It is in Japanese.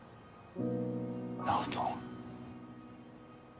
直人。